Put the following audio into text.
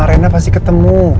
rena pasti ketemu